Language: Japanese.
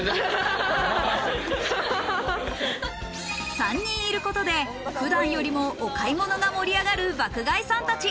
３人いることで普段よりもお買い物が盛り上がる爆買いさんたち。